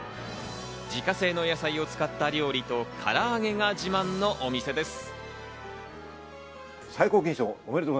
自家製の野菜を使った料理と唐揚げが自慢のお店です。